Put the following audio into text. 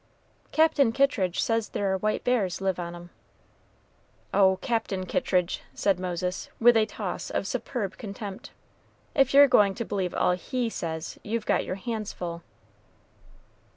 "Captain Kittridge says there are white bears live on 'em." "Oh, Captain Kittridge," said Moses, with a toss of superb contempt; "if you're going to believe all he says, you've got your hands full."